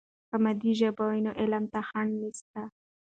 که مادي ژبه وي نو علم ته خنډ نسته.